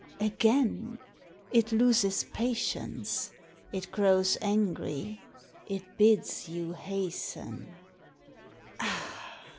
"Again! It loses patience. It grows angry. It bids you hasten.